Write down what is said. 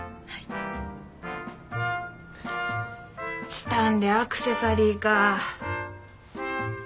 チタンでアクセサリーか。